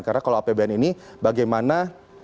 karena kalau apbn ini bagaimana